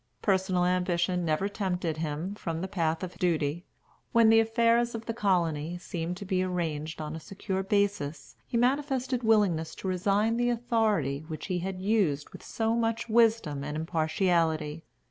Personal ambition never tempted him from the path of duty. When the affairs of the colony seemed to be arranged on a secure basis, he manifested willingness to resign the authority which he had used with so much wisdom and impartiality.